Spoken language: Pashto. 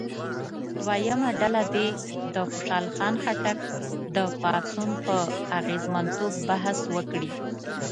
دویمه ډله دې د خوشحال خان خټک د پاڅون په اغېزمنتوب بحث وکړي.